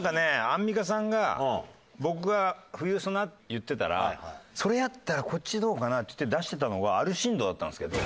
アンミカさんが僕が『冬ソナ』って言ってたら「それやったらこっちどうかな」って言って出してたのがアルシンドだったんですけど。